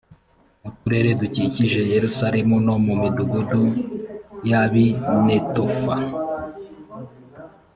mu turere dukikije yerusalemu no mu midugudu y ab i netofa